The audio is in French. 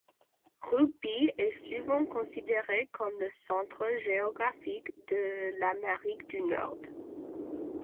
Rugby est souvent considérée comme le centre géographique de l’Amérique du Nord.